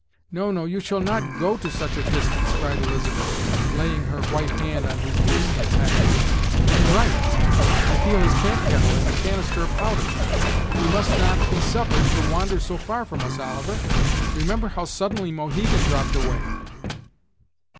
"No, no; you shall not go to such a distance," cried Elizabeth, laying her white hand on his deer skin pack "I am right! I feel his camp kettle, and a canister of powder! He must not be suffered to wander so far from us, Oliver; remember how suddenly Mohegan dropped away."